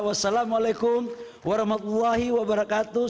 wassalamu'alaikum warahmatullahi wabarakatuh